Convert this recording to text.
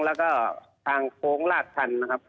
แล้วก็ทางโค้งลาดชันนะครับ